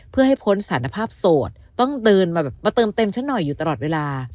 เพื่อให้พ้นสารภาพโสดต้องเดินมาแบบมาเติมเต็มฉันหน่อยอยู่ตลอดเวลา